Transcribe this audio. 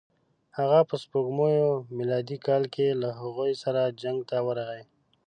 هغه په سپوږمیز میلادي کال کې له هغوی سره جنګ ته ورغی.